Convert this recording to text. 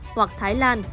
hoặc thái lan